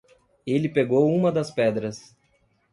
Ele pegou uma das pedras.